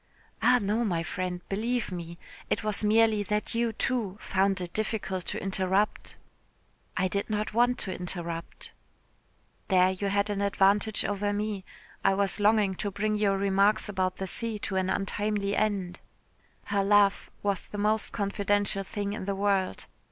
"Ah, no, my friend, believe me. It was merely that you, too, found it difficult to interrupt." "I did not want to interrupt." "There you had an advantage over me. I was longing to bring your remarks about the sea to an untimely end." Her laugh was the most confidential thing in the world.